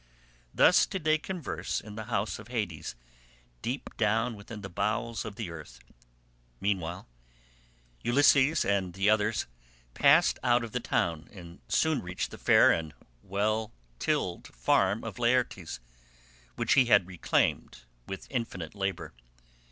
Thus did they converse in the house of Hades deep down within the bowels of the earth. Meanwhile Ulysses and the others passed out of the town and soon reached the fair and well tilled farm of Laertes, which he had reclaimed with infinite labour.